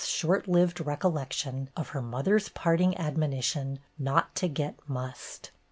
short lived recol lection of her mother's parting admonition "not to get mussed."